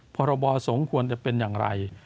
พรบสมควรจะเป็นอย่างไร